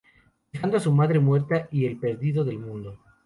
Dejando a su madre muerta y el perdido del mundo.